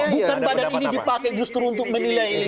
bukan badan ini dipakai justru untuk menilai